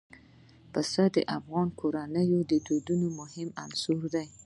پسه د افغان کورنیو د دودونو مهم عنصر دی.